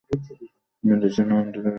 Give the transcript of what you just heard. Medicine home delivery সহজ করেছে।